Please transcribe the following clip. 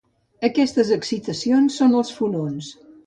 Aquestes excitacions són els fonons.